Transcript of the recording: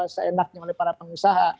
seenaknya oleh para pengusaha